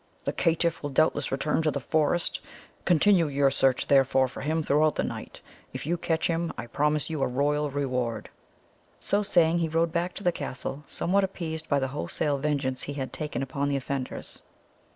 The caitiff will doubtless return to the forest. Continue your search, therefore, for him throughout the night. If you catch him, I promise you a royal reward." So saying, he rode back to the castle, somewhat appeased by the wholesale vengeance he had taken upon the offenders.